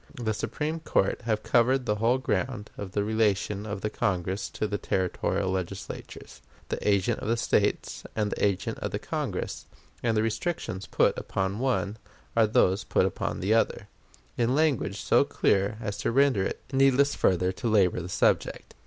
The Supreme Court have covered the whole ground of the relation of the Congress to the Territorial Legislatures the agent of the States and the agent of the Congress and the restrictions put upon the one are those put upon the other, in language so clear as to render it needless further to labor the subject.